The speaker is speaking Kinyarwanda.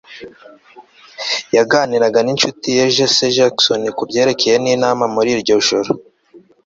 yaganiraga ninshuti ye jesse jackson kubyerekeye inama muri iryo joro